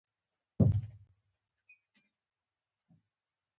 هیلې مړې شوي که څرک یې لا پاتې دی؟